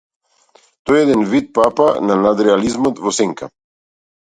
Тој е еден вид папа на надреализмот во сенка.